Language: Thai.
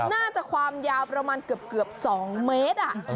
น่าจะความยาวประมาณเกือบ๒เมตร